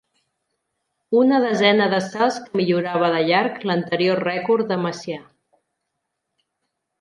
Una desena de salts que millorava de llarg l'anterior rècord de Macià.